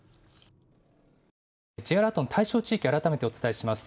Ｊアラートの対象地域改めてお伝えします。